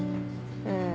うん。